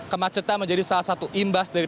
kemacetan menjadi salah satu imbas dari